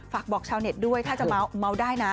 ฝากบอกชาวเน็ตด้วยถ้าจะเมาได้นะ